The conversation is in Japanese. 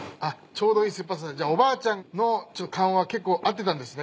ちょうどいいすっぱさじゃあおばあちゃんの勘は結構合ってたんですね